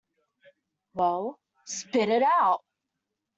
Well, spit it out!